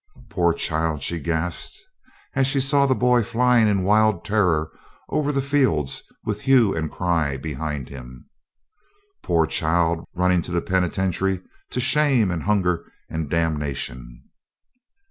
"Poor child!" she gasped, as she saw the boy flying in wild terror over the fields, with hue and cry behind him. "Poor child! running to the penitentiary to shame and hunger and damnation!"